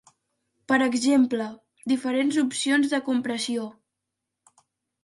Per exemple: diferents opcions de compressió.